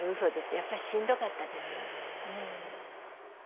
やっぱしんどかったです。